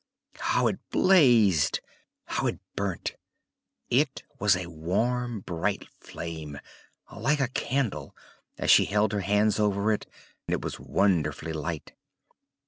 how it blazed, how it burnt! It was a warm, bright flame, like a candle, as she held her hands over it: it was a wonderful light.